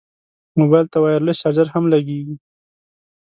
موبایل ته وایرلس چارج هم لګېږي.